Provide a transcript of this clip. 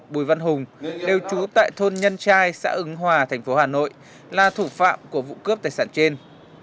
bùi văn hùng đều trú tại thôn nhân trai xã ứng hòa thành phố hà nội là thủ phạm của vụ cướp tài sản trên